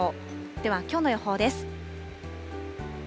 ではきょうの予報です。